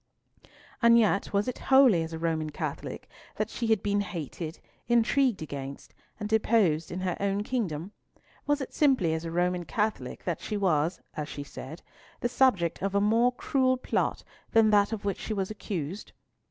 And yet was it wholly as a Roman Catholic that she had been hated, intrigued against, and deposed in her own kingdom? Was it simply as a Roman Catholic that she was, as she said, the subject of a more cruel plot than that of which she was accused?